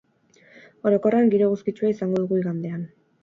Orokorrean, giro eguzkitsua izango dugu igandean.